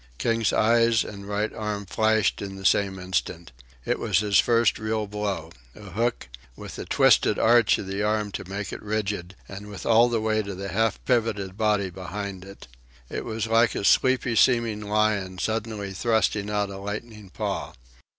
King's eyes and right arm flashed in the same instant. It was his first real blow a hook, with the twisted arch of the arm to make it rigid, and with all the weight of the half pivoted body behind it. It was like a sleepy seeming lion suddenly thrusting out a lightning paw.